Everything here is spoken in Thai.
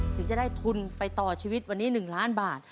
ถึงจะได้ทุนไปต่อชีวิตวันนี้๑ล้านบาท